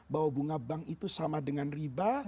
bahwa bunga bank itu sama dengan riba